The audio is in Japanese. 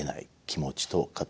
気持ちと型。